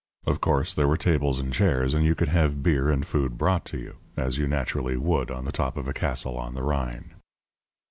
Of course there were tables and chairs; and you could have beer and food brought you, as you naturally would on the top of a castle on the Rhine.